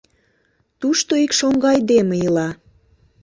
Тушто ик шоҥго айдеме ила.